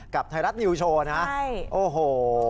ไทยรัฐนิวโชว์นะโอ้โห